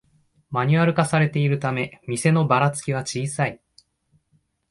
マニュアル化されているため店のバラつきは小さい